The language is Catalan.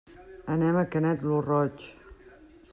Anem a Canet lo Roig.